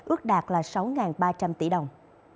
ước đạt là sáu ba trăm linh tỷ đồng